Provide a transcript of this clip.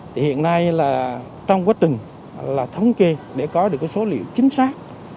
thì hiện nay là trong quá trình là thống kê để có được cái số liệu chính xác